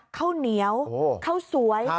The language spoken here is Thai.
ข้าวเหนียวข้าวสวย